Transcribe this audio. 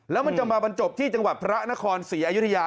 แล้วมันจะมาบรรจบที่จังหวัดพระนครศรีอยุธยา